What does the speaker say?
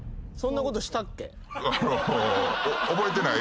あの覚えてない？